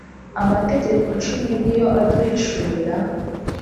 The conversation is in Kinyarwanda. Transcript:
amategeko cumi niyo aduhishurira,